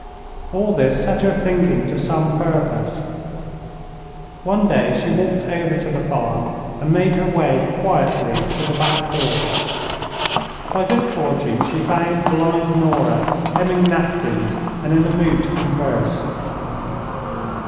All this set her thinking to some purpose. One day she walked over to the farm and made her way quietly to the back door. By good fortune she found blind Nora hemming napkins and in a mood to converse.